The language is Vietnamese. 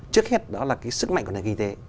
trước hết đó là cái sức mạnh của nền kinh tế